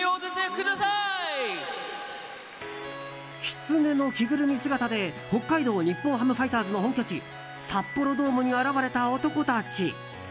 きつねの着ぐるみ姿で北海道日本ハムファイターズの本拠地札幌ドームに現れた男たち。